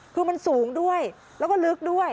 คือมันสูงด้วยแล้วก็ลึกด้วย